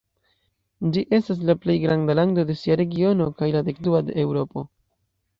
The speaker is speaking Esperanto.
Ĝi estas la plej granda lando de sia regiono kaj la dekdua de Eŭropo.